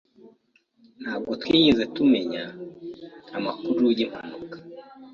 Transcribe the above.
Ntabwo twigeze tumenya amakuru y'impanuka.